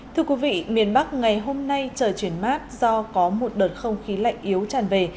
thưa quý vị miền bắc ngày hôm nay trời chuyển mát do có một đợt không khí lạnh yếu tràn về